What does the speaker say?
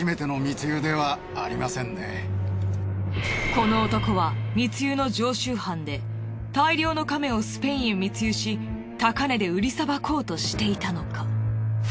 この男は密輸の常習犯で大量のカメをスペインへ密輸し高値で売りさばこうとしていたのか？